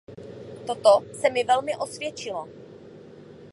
Toto se velmi osvědčilo.